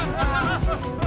ini sudah tetapi